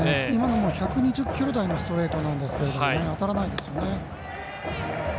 今のも１２０キロ台のストレートでしたが当たらないですね。